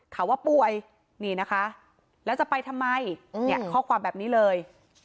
ข่าวว่าป่วยนี่นะคะแล้วจะไปทำไมเนี่ยข้อความแบบนี้เลย